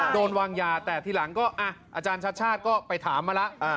โดนวางยาแต่ทีหลังก็อาจารย์ชัดชาติก็ไปถามมาแล้ว